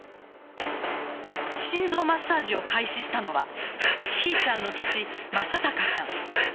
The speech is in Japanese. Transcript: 心臓マッサージを開始したのはひーちゃんの父・正隆さん。